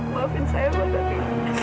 maafin saya pak dari